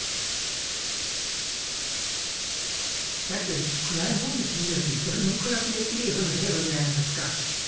だって暗い本にするんだったらいくらでも暗くできるようなテーマじゃないですか。